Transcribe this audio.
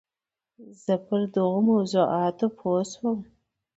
زه پر دغو موضوعاتو پوه شوم.